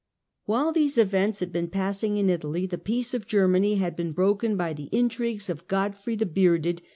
While these events had been passing in Italy, the peace of Germany had been broken by the intrigues of Godfrey the Bearded